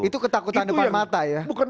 itu ketakutan depan mata ya